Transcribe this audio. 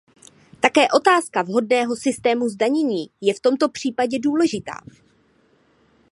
Také otázka vhodného systému zdanění je v tomto případě důležitá.